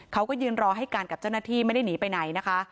เขาก็ยืนรอให้การกับเจ้าหน้าที่ไม่ได้หนีไปไหนนะคะ